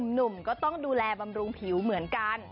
หนุ่มก็ต้องดูแลบำรุงผิวเหมือนกัน